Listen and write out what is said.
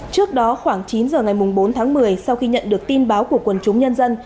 trước đó khoảng chín giờ ngày bốn tháng một mươi sau khi nhận được tin báo của quần chúng nhân dân